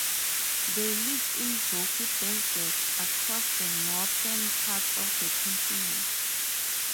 They live in rocky deserts across the northern parts of the continent.